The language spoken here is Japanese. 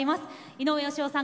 井上芳雄さん